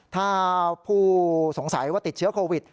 ถ้าผู้สงสัยว่าติดเชื้อโควิด